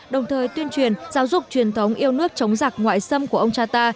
đồng thời tuyên truyền giáo dục truyền thống yêu nước chống giặc ngoại xâm của ông cha ta